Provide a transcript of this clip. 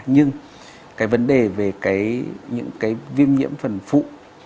nhưng cái vấn đề về những cái viêm nhiễm phần phụ